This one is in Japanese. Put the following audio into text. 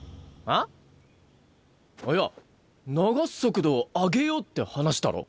あっいや流す速度を上げようって話だろ？